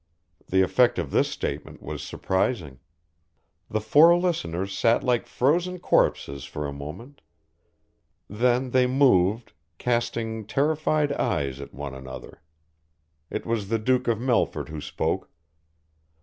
The effect of this statement was surprising. The four listeners sat like frozen corpses for a moment, then they moved, casting terrified eyes at one another. It was the Duke of Melford who spoke.